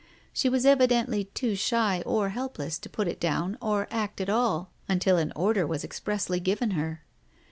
She was evidently too shy or helpless to put it down or act at all until an order was expressly given her.